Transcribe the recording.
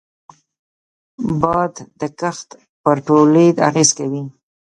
باد د کښت پر تولید اغېز کوي